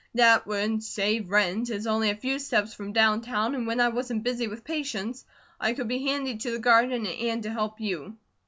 That would save rent, it's only a few steps from downtown, and when I wasn't busy with patients, I could be handy to the garden, and to help you."